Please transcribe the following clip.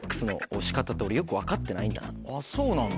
あっそうなんだ。